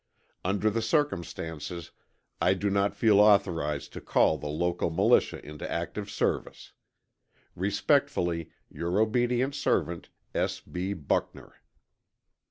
Under the circumstances I do not feel authorized to call the local militia into active service. Respectfully, your obedient servant, S. B. BUCKNER.